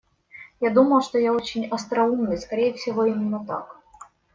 Я думал, что я очень остроумный, скорее всего, именно так.